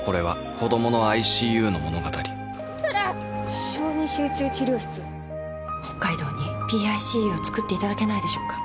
「ＰＩＣＵに直行しよう」「沙羅」「小児集中治療室」「北海道にＰＩＣＵを作っていただけないでしょうか」